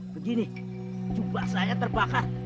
begini jubah saya terbakar